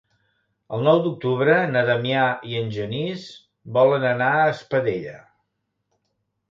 El nou d'octubre na Damià i en Genís volen anar a Espadella.